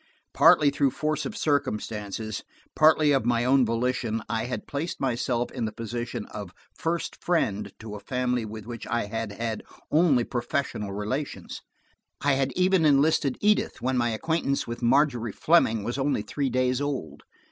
Partly through force of circumstances, partly of my own volition, I had placed myself in the position of first friend to a family with which I had had only professional relations; I had even enlisted Edith, when my acquaintance with Margery Fleming was only three days old!